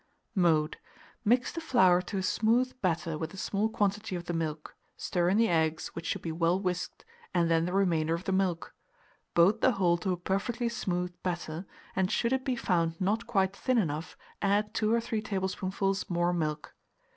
] Mode. Mix the flour to a smooth batter with a small quantity of the milk; stir in the eggs, which should be well whisked, and then the remainder of the milk; boat the whole to a perfectly smooth batter, and should it be found not quite thin enough, add two or three tablespoonfuls more milk.